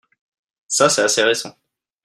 Ça c'est assez récent.